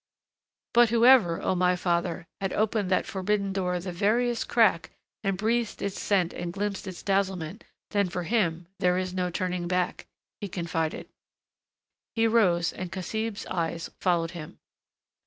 "But whoever, O, my father, had opened that forbidden door the veriest crack, and breathed its scent and glimpsed its dazzlement then for him there is no turning back," he confided. He rose and Khazib's eyes followed him.